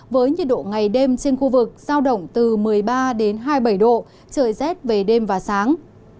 với nhiệt độ ngày đêm trên khu vực giao động từ một mươi ba hai mươi bảy độ trời rét về đêm và sáng